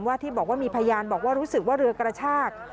ที่บอกว่ามีพยานบอกว่ารู้สึกว่าเรือกระชาก